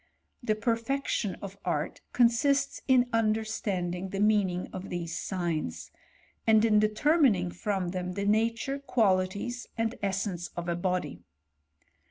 The perfection of art consists in understanding the meaning of these lugns, and in determining from them the nature, quali ties, and essence of a body.